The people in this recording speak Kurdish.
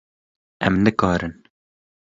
Em nikarin.